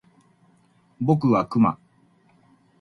僕はクマ